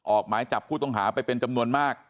ออกหมายจับผู้ต้องหาไปเป็นจำนวนมาก